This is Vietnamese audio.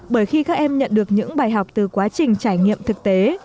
bởi khi các em nhận được những bài học từ quá trình trải nghiệm thực tế